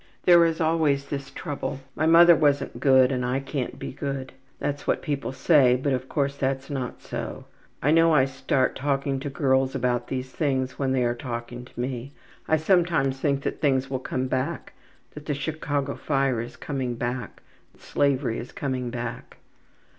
``There is always this trouble my mother wasn't good and I can't be good. That's what people say, but, of course, that's not so. I know I start talking to girls about these things when they are talking to me. I sometimes think that things will come back that the Chicago fire is coming back, and that slavery is coming back.